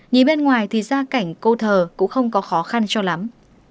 nhìn bên ngoài thì ra cảnh cô thờ cũng không có khó khăn cho lắm